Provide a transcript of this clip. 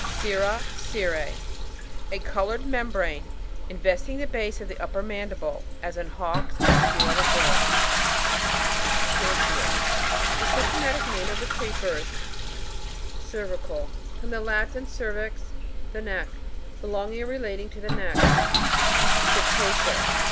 dbyGoOgk 114 ORNITHOLOGY:— GLOSSARY. iA coloured membrane in vesting the base of the upper mandible : as in Hawks, and a few other birds. Certhu. — The systematic name of the Creepers. CxRViCAi. — From the Latin, cervixt the neck. Belongings or relating to the neck. Cktacra.